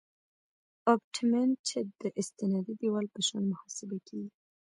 ابټمنټ د استنادي دیوال په شان محاسبه کیږي